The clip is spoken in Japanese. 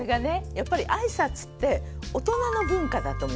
やっぱりあいさつって大人の文化だと思うんですよ。